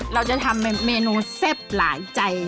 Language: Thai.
เราจะทำเมนูแซ่บหลายใจ